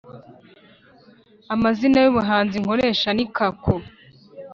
amazina y’ubuhanzi nkoresha ni kakoo